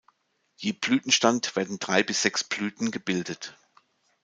Je Blütenstand werden drei bis sechs Blüten gebildet.